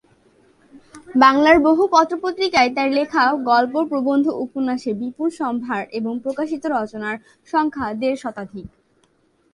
বাংলার বহু পত্র পত্রিকায় তাঁর লেখা গল্প, প্রবন্ধ, উপন্যাসের বিপুল সম্ভার এবং প্রকাশিত রচনার সংখ্যা দেড় শতাধিক।